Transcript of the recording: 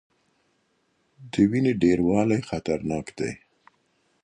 د وینې ډیروالی خطرناک دی.